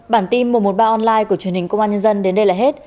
bản tin một trăm một mươi ba online của truyền hình công an nhân dân đến đây là hết